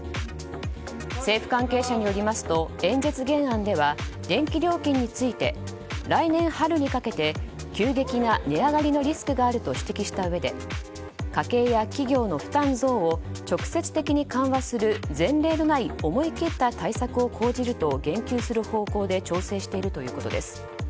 政府関係者によりますと演説原案では電気料金について来年春にかけて急激な値上がりのリスクがあると指摘したうえで家計や企業の負担増を直接的に緩和する前例のない思い切った対策を講じると言及する方向で調整しているということです。